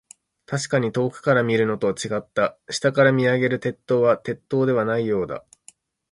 確かに遠くから見るのと、違った。下から見上げる鉄塔は、鉄塔ではないようだ。